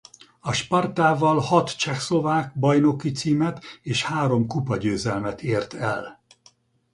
A Spartával hat csehszlovák bajnoki címet és három kupagyőzelmet ért el.